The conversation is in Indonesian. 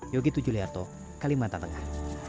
yogi tujuliarto kalimantan tengah